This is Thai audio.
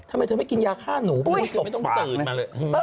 ทำไมเธอไม่กินยาฆ่าหนูบ้างเธอไม่ต้องตื่นมาเลย